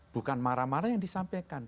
bukan marah marah yang disampaikan